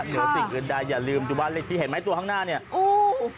เดี๋ยวสิ่งอื่นใดอย่าลืมดูว่าอะไรที่เห็นไหมตัวข้างหน้าเนี่ยอู้